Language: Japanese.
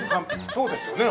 ◆そうですよね。